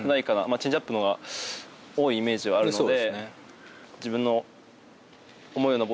チェンジアップのほうが多いイメージはあるので。